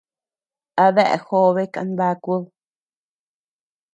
¿A dea jobe kanbakud?